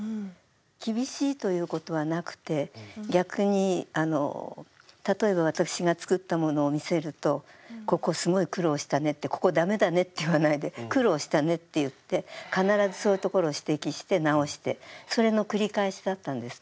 厳しいということはなくて逆に例えば私が作ったものを見せると「ここすごい苦労したね」って「ここダメだね」って言わないで「苦労したね」って言って必ずそういうところを指摘して直してそれの繰り返しだったんですね。